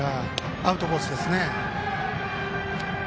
アウトコースですね。